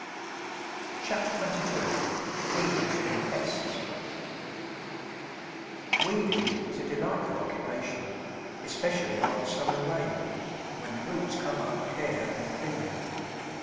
CHAPTER XXII WEEDS AND PESTS Weeding is a delightful occupation, especially after summer rain, when the roots come up clear and clean.